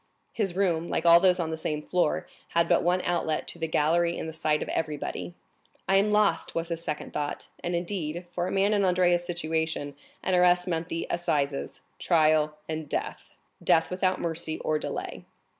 His room, like all those on the same floor, had but one outlet to the gallery in the sight of everybody. "I am lost!" was his second thought; and, indeed, for a man in Andrea's situation, an arrest meant the assizes, trial, and death,—death without mercy or delay.